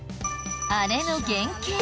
あれの原型